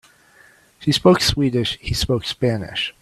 She spoke Swedish, he spoke Spanish.